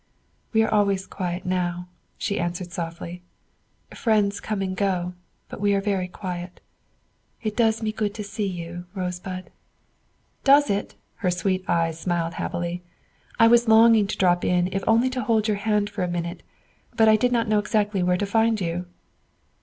"We are always quiet now," she answered softly; "friends come and go, but we are very quiet. It does me good to see you, Rosebud." "Does it?" her sweet eyes smiled happily. "I was longing to drop in if only to hold your hand for a minute; but I did not know exactly where to find you."